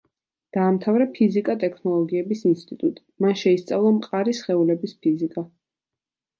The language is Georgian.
დაამთავრა ფიზიკა-ტექნოლოგიების ინსტიტუტი; მან შეისწავლა მყარი სხეულების ფიზიკა.